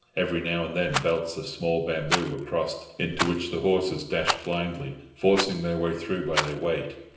Every now and then belts of small bamboo were crossed, into which the horses dashed blindly, forcing their way through by their weight.